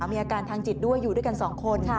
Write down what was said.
มีอาการทางจิตด้วยอยู่ด้วยกัน๒คน